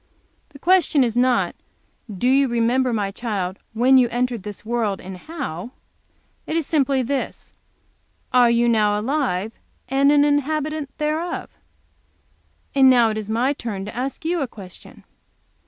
The question is not, do you remember, my child, when you entered this world, and how! It is simply this, are you now alive and an inhabitant thereof? And now it is my turn to ask you a question.